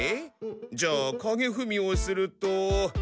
じゃあかげふみをすると。